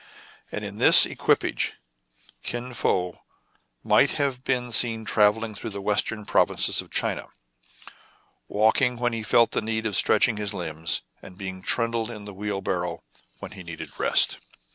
And in this equipage Kin Fo might have been seen travelling through the western provinces of China, walking when he felt the need of stretching his limbs, and being trundled in the wheelbarrow when he needed rest.